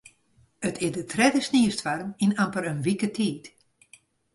It is de tredde sniestoarm yn amper in wike tiid.